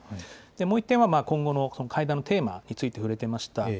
もう１点は今後の会談のテーマについて触れてました。